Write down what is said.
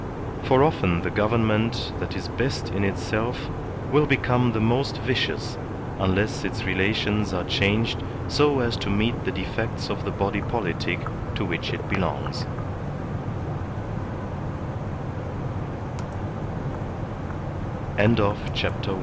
For often the government that is best in itself will become the most vicious, unless its relations are changed so as to meet the defects of the body politic to w